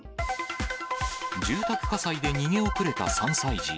住宅火災で逃げ遅れた３歳児。